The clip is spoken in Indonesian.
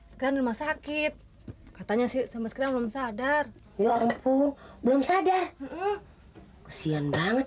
sekarang rumah sakit katanya sih sama sekarang belum sadar walaupun belum sadar kesian banget